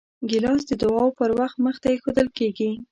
ګیلاس د دعاو پر وخت مخې ته ایښودل کېږي.